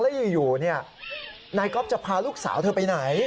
แล้วอยู่นายก๊อฟจะพาลูกสาวเธอไปไหน